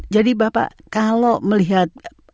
jadi bapak kalau melihat